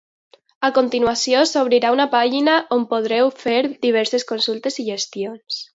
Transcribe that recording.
A continuació, s’obrirà una pàgina on podreu fer diverses consultes i gestions.